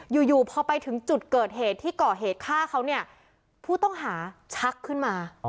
อยู่อยู่พอไปถึงจุดเกิดเหตุที่ก่อเหตุฆ่าเขาเนี่ยผู้ต้องหาชักขึ้นมา